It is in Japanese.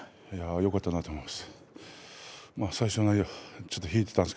よかったなと思います。